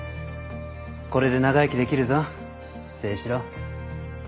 これで長生きできるぞ青史郎。